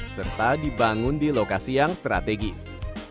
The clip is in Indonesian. serta dibangun di lokasi yang strategis